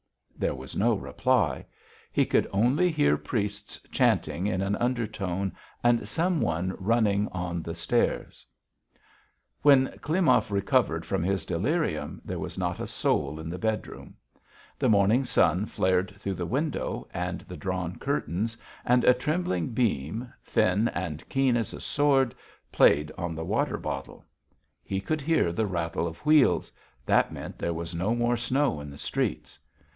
There was no reply. He could only hear priests chanting in an undertone and some one running on the stairs. When Klimov recovered from his delirium there was not a soul in the bedroom. The morning sun flared through the window and the drawn curtains, and a trembling beam, thin and keen as a sword, played on the water bottle. He could hear the rattle of wheels that meant there was no more snow in the streets.